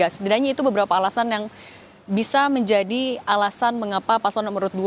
setidaknya itu beberapa alasan yang bisa menjadi alasan mengapa pasal nomor dua